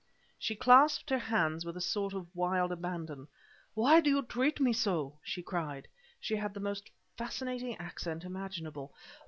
She clasped her hands with a sort of wild abandon. "Why do you treat me so!" she cried; she had the most fascinating accent imaginable.